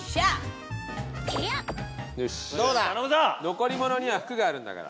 残り物には福があるんだから。